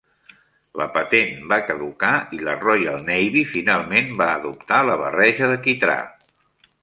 La patent va caducar i la Royal Navy finalment va adoptar la barreja de quitrà.